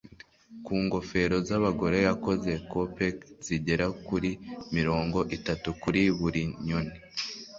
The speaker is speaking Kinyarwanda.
ku ngofero z'abagore, yakoze kopeck zigera kuri mirongo itatu kuri buri nyoni